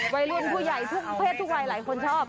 วัยรุ่นผู้ใหญ่ทุกเพศทุกวัยหลายคนชอบ